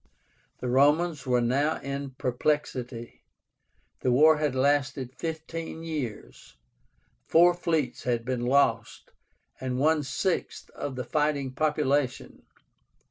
The Romans were now in perplexity. The war had lasted fifteen years. Four fleets had been lost, and one sixth of the fighting population.